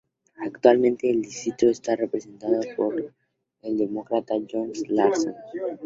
Actualmente el distrito está representado por el Demócrata John Larson.